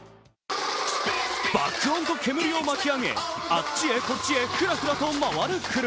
爆音と煙を巻き上げあっちへこっちへふらふらと回る車。